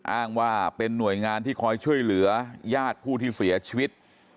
อ้างว่าเป็นหน่วยงานที่คอยช่วยเหลือญาติผู้ที่เสียชีวิต